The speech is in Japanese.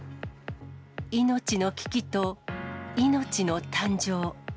命の危機と、命の誕生。